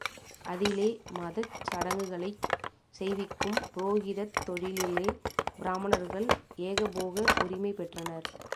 அதிலே மதச் சடங்குகளைச் செய்விக்கும் புரோகிதத் தொழிலிலே, பிராமணர்கள் ஏகபோக உரிமை பெற்றனர்.